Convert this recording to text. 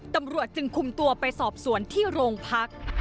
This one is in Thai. ตำรวจจึงคุมตัวไปสอบสวนที่โรงพัก